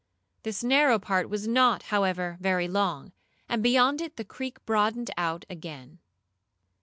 This narrow part was not, however, very long, and beyond it the creek broadened out again.